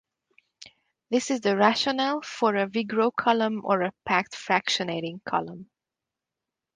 This is the rationale for a Vigreux column or a packed fractionating column.